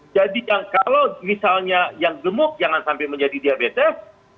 jadi kalau misalnya yang gemuk jangan sampai menjadi diabetes